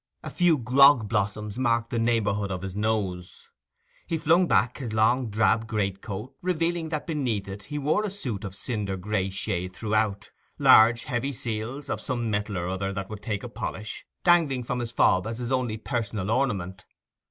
A few grog blossoms marked the neighbourhood of his nose. He flung back his long drab greatcoat, revealing that beneath it he wore a suit of cinder gray shade throughout, large heavy seals, of some metal or other that would take a polish, dangling from his fob as his only personal ornament.